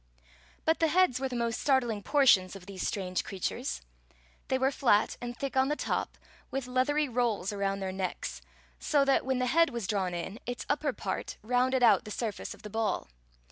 But the headis were the most startling portions of these strange creatures. They were flat and thick on the top, with leathery rolls around their necks ; so that, when the head was drawn in, its upper part rounded out the surface of the ball.